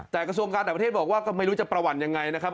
แต่กระทรวงการต่างประเทศบอกว่าก็ไม่รู้จะประวัติยังไงนะครับ